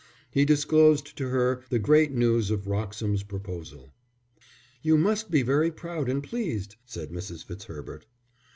He disclosed to her now the great news of Wroxham's proposal. "You must be very proud and pleased," said Mrs. Fitzherbert.